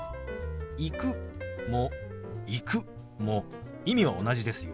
「行く」も「行く」も意味は同じですよ。